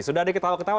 sudah ada ketawa ketawa